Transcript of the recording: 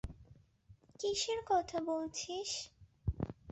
কিসের কথা বলছিস?